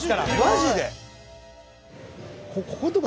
マジで？